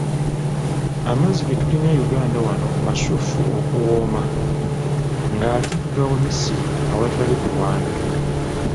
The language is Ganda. "Amazzi ge tulina e Uganda wano masuffu okuwooma, ng’ate tugawa misiri awatali kulwana."